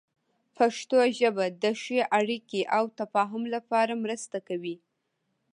پښتو ژبه د ښې اړیکې او تفاهم لپاره مرسته کوي.